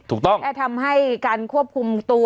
ถูกต้องแล้วทำให้การควบคุมตัว